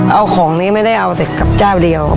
เอาของนี้ไม่ได้เอาแต่กับเจ้าเดียว